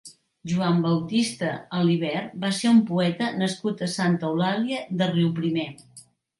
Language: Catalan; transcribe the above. Joan Baptista Aliberch va ser un «Poeta» nascut a Santa Eulàlia de Riuprimer.